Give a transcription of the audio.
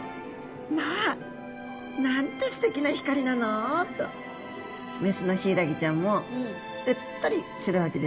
「まあなんてすてきな光なの」とメスのヒイラギちゃんもうっとりするわけですね。